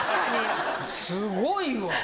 すごいわ。